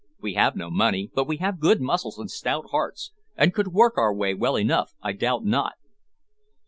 We have no money, but we have good muscles and stout hearts, and could work our way well enough, I doubt not."